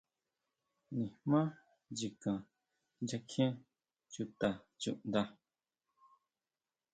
Nijmá nyikan nya kjie chuta chuʼnda.